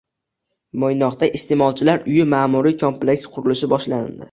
Mo‘ynoqda iste’molchilar uyi ma’muriy kompleksi qurilishi boshlandi